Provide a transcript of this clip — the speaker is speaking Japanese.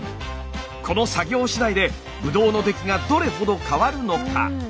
この作業しだいでブドウの出来がどれほど変わるのか？